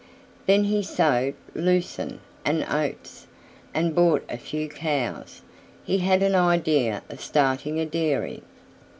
Then he sowed lucerne and oats, and bought a few cows: he had an idea of starting a dairy.